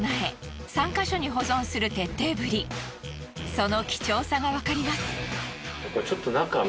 その貴重さがわかります。